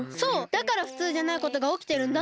だからふつうじゃないことがおきてるんだって！